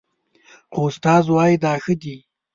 خو استاد وايي دا ښه دي